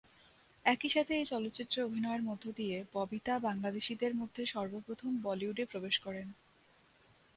একইসাথে এই চলচ্চিত্রে অভিনয়ের মধ্য দিয়ে ববিতা বাংলাদেশীদের মধ্যে সর্বপ্রথম বলিউডে প্রবেশ করেন।